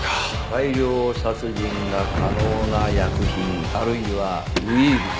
大量殺人が可能な薬品あるいはウイルス。